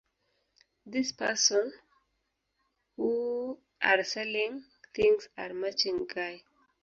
This person who are selling things are maching guy